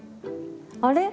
あれ？